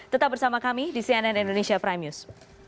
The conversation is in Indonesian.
tetap bersama kami di cnn indonesia prime news